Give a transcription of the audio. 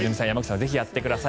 ぜひやってください。